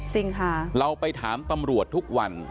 จริงค่ะเราไปถามตำรวจทุกวัน